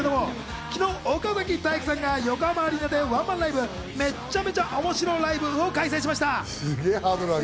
昨日、岡崎体育さんが横浜アリーナでワンマンライブ、めっちゃめちゃおもしろライブを開催しました。